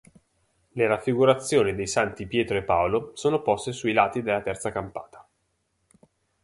Le raffigurazioni dei santi Pietro e Paolo sono poste sui lati della terza campata.